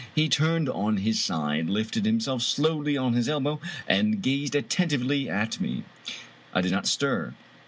He turned on his side, lifted himself slowly on his elbow, and gazed attentively at me. I did not stir.